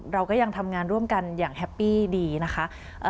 เราก็ยังทำงานร่วมกันอย่างแฮปปี้ดีนะคะ